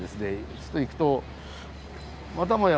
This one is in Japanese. ちょっと行くとまたもや